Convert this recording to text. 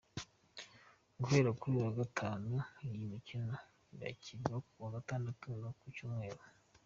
Guhera kuri uyu wa gatanu iyi mikino irakinwa, ku wa gatandatu no ku Cyumweru.